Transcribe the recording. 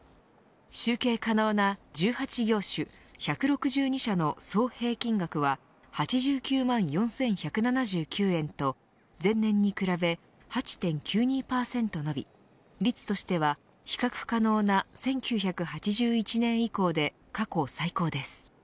集計可能な１８業種１６２社の総平均額は８９万４１７９円と前年に比べ８．９２％伸び率としては比較可能な１９８１年以降で過去最高です。